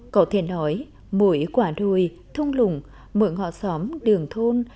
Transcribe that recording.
cậu thiền nói mỗi quả đùi thun lùng mỗi ngõ xóm đường thôn